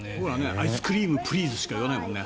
アイスクリーム・プリーズしか言わないもんね。